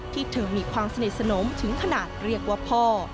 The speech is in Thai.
ที่เธอมีความสนิทสนมถึงขนาดเรียกว่าพ่อ